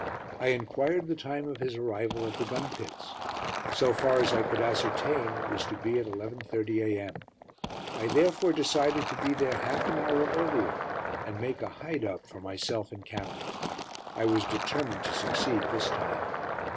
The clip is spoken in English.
I enquired the time of his arrival at the gun pits. So far as I could ascertain, it was to be at 11.30 a.m. I therefore decided to be there half an hour earlier, and make a "hide up" for myself and camera. I was determined to succeed this time.